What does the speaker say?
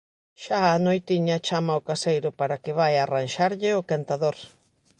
Xa á noitiña chama ao caseiro para que vaia arranxarlle o quentador.